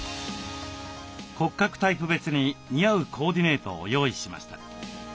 骨格タイプ別に似合うコーディネートを用意しました。